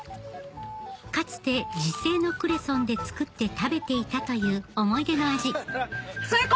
かつて自生のクレソンで作って食べていたという思い出の味最高！